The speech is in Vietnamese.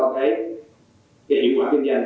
cái hiệu quả kinh doanh